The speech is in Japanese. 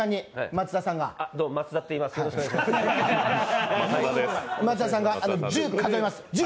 松田さんが１０数えます。